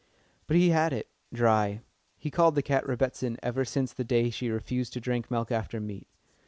But he had it dry. He called the cat "Rebbitzin" ever since the day she refused to drink milk after meat.